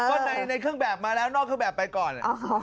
ก็ในเครื่องแบบมาแล้วนอกเครื่องแบบไปก่อน